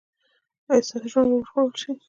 ایا ستاسو ژوند به وژغورل شي؟